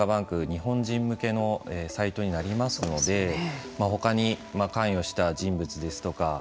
日本人向けのサイトになりますのでほかに関与した人物ですとか